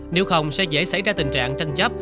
nếu không sẽ dễ xảy ra tình trạng tranh chấp